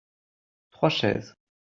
Trois chaises.